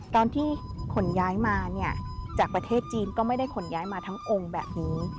ตอนที่ขนย้ายมาเนี่ยจากประเทศจีนก็ไม่ได้ขนย้ายมาทั้งองค์แบบนี้